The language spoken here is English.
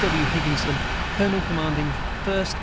T. W. HIGGINSON, Colonel commanding 1st S.